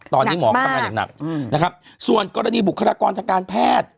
ตอนนี้หมอก็ทำงานอย่างหนักนะครับส่วนกรณีบุคลากรทางการแพทย์